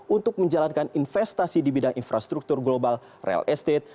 untuk menjalankan investasi di bidang infrastruktur global real estate